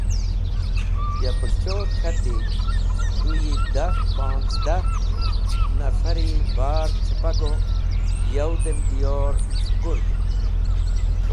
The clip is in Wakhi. Ya pũrchodhe k̃hati: Tu yi da ponzdah nafari bar chapa go, yow dem diyor s̃hukurg.